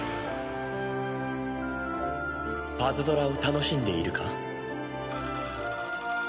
パズドラを楽しんでいるか？